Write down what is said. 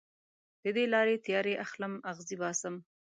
د دې لارې تیارې اخلم اغزې باسم